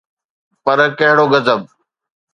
پر ڪهڙو غضب.